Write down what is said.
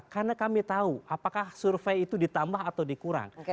karena kami tahu apakah survei itu ditambah atau dikurang